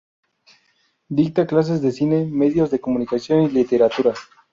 Dicta clases de cine, medios de comunicación y literatura.